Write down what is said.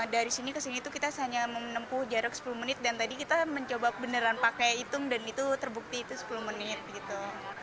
dari sini ke sini tuh kita hanya menempuh jarak sepuluh menit dan tadi kita mencoba beneran pakai hitung dan itu terbukti itu sepuluh menit gitu